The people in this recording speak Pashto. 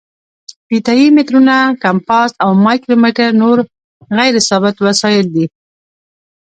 فیته یي مترونه، کمپاس او مایکرو میټر نور غیر ثابت وسایل دي.